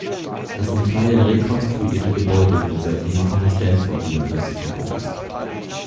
Das in Teilen rekonstruierte Gebäude wird seitdem von der Stanford University genutzt.